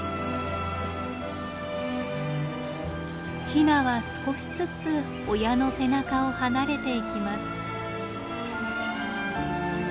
ヒナは少しずつ親の背中を離れていきます。